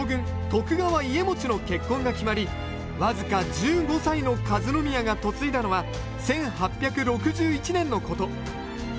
徳川家茂の結婚が決まり僅か１５歳の和宮が嫁いだのは１８６１年のこと。